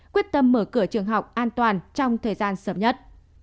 quyết tâm mở cửa trường học